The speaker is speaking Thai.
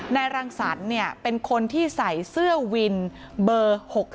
รังสรรค์เป็นคนที่ใส่เสื้อวินเบอร์๖๓